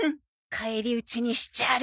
返り討ちにしちゃる！